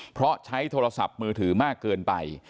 เพราะใช้โทรศัพท์มือถือมากเกินไป